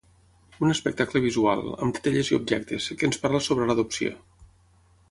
Un espectacle visual, amb titelles i objectes, que ens parla sobre l’adopció.